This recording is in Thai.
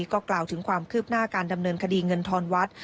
ก็กล่าวถึงความคืบหน้าการดำเนินคดีเงินทอนวัด